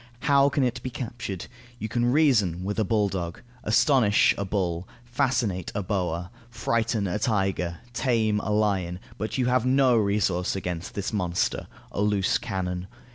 How can it be captured? You can reason with a bulldog, astonish a bull, fascinate a boa, frighten a tiger, tame a lion; but you have no resource against this monster, a loose cannon.